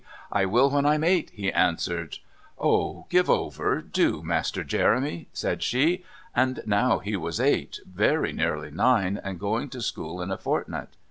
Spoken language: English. "I will when I'm eight," he answered. "Oh, give over, do, Master Jeremy," said she. And now he was eight, very nearly nine, and going to school in a fortnight.